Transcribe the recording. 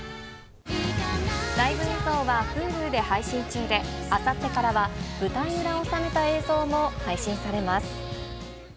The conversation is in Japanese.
ライブ映像はＨｕｌｕで配信中で、あさってからは舞台裏を収めた映像も配信されます。